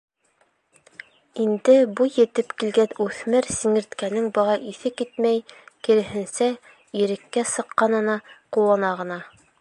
Инде буй етеп килгән үҫмер сиңерткәнең быға иҫе китмәй, киреһенсә, иреккә сыҡҡанына ҡыуана ғына.